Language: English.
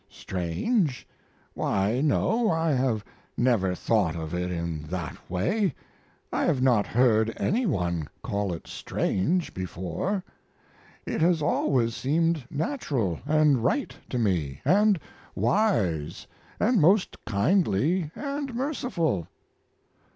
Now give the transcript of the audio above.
"Strange? Why, no, I have never thought of it in that way. I have not heard any one call it strange before. It has always seemed natural and right to me, and wise and most kindly and merciful."